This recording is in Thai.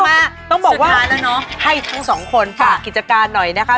มาต้องบอกว่าให้ทั้งสองคนฝากกิจการหน่อยนะคะ